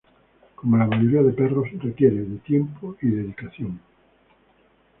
Como la mayoría de perros requiere de tiempo y dedicación.